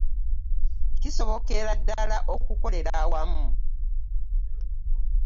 Kisobokera ddala okukolera awamu.